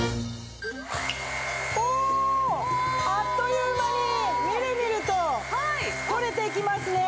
おお！あっという間にみるみると取れていきますね。